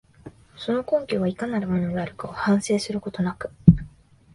その根拠がいかなるものであるかを反省することなく、